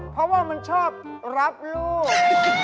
เพราะว่ามันชอบรับลูก